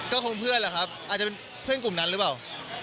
ก็คงเพื่อนแหละครับอาจจะเป็นเพื่อนกลุ่มนั้นหรือเปล่า